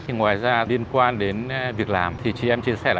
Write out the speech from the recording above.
thì ngoài ra liên quan đến việc làm thì chị em chia sẻ là